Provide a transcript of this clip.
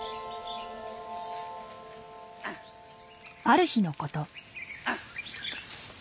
ある日のこと。